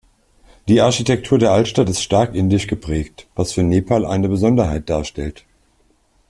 Die Architektur der Altstadt ist stark indisch geprägt, was für Nepal eine Besonderheit darstellt.